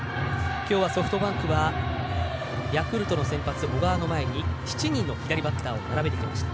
きょうはソフトバンク対ヤクルトの先発小川の前に７人の左バッターを並べてきました。